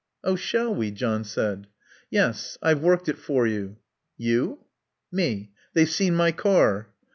"Oh, shall we!" John said. "Yes. I've worked it for you." "You?" "Me. They've seen my car."